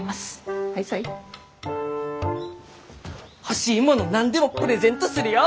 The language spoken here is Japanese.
欲しいもの何でもプレゼントするよ！